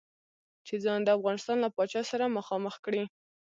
چې ځان د افغانستان له پاچا سره مخامخ کړي.